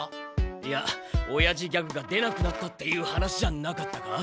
いやオヤジギャグが出なくなったっていう話じゃなかったか？